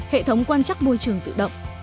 hệ thống quan chắc môi trường tự động